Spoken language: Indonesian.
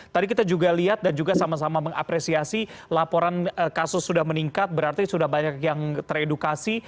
tadi kita juga lihat dan juga sama sama mengapresiasi laporan kasus sudah meningkat berarti sudah banyak yang teredukasi